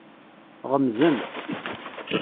Ɣemzen.